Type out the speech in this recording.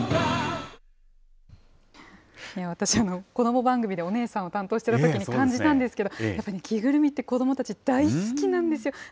私、子ども番組でお姉さんを担当してたときに感じたんですけど、やっぱり着ぐるみって、子どもたち大好きなんですよ。